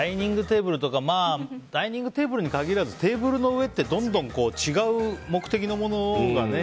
ダイニングテーブルとかに限らずテーブルの上ってどんどん違う目的のものがね。